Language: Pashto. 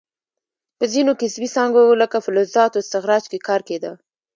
په ځینو کسبي څانګو لکه فلزاتو استخراج کې کار کیده.